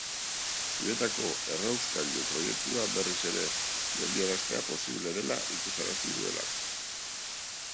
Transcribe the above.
Zubietako errauskailu proiektua berriz ere geldiaraztea posible dela ikusarazi duelako.